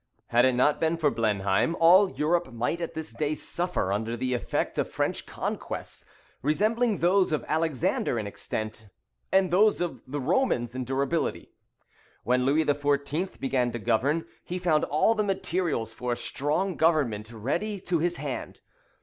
Had it not been for Blenheim, all Europe might at this day suffer under the effect of French conquests resembling those of Alexander in extent, and those of the Romans in durability. When Louis XIV. began to govern, he found all the materials for a strong government ready to his hand.